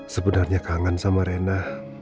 sebenarnya kangen sama rena